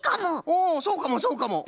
おそうかもそうかも。